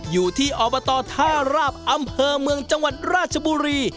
อยู่ที่อบตท่าราบอำเภอเมืองจังหวัดราชบุรี